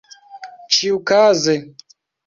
ĉiukaze